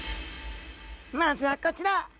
まずはこちら。